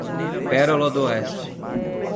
Pérola d'Oeste